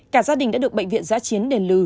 cả gia đình đã được bệnh viện giã chiến đền lừ